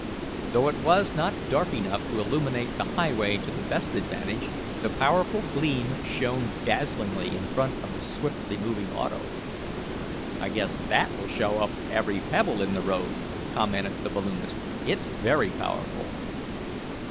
Though it was not dark enough to illuminate the highway to the best advantage, the powerful gleam shone dazzlingly in front of the swiftly moving auto. "I guess that will show up every pebble in the road," commented the balloonist. "It's very powerful."